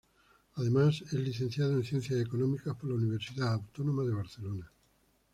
Además, es licenciado en Ciencias Económicas por la Universidad Autónoma de Barcelona.